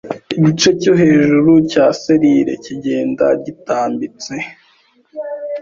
Igice cyo hejuru cya selile kigenda gitambitse